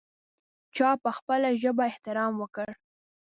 چا په خپله ژبه احترام وکړ.